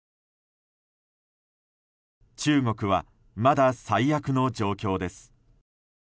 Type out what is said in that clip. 中国はまだ最悪の状況です。